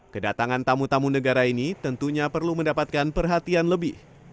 kedatangan tamu tamu negara ini tentunya perlu mendapatkan perhatian lebih